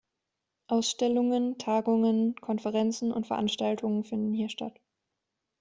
Ausstellungen, Tagungen, Konferenzen und Veranstaltungen finden hier statt.